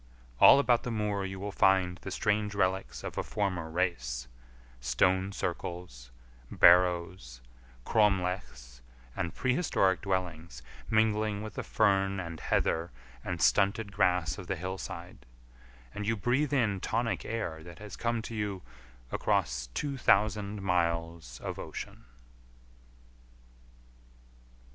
All about the moor you will find the strange relics of a former race: stone circles, barrows, cromlechs, and prehistoric dwellings mingling with the fern and heather and stunted grass of the hillside, and you breathe in tonic air that has come to you across two thousand miles of ocean.